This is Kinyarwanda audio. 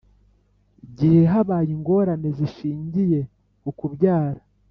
Gihe habaye ingorane zishingiye ku kubyara